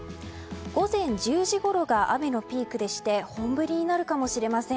午前１０時ごろが雨のピークでして本降りになるかもしれません。